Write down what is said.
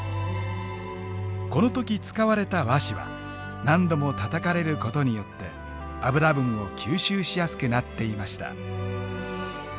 この時使われた和紙は何度もたたかれることによって脂分を吸収しやすくなっていました。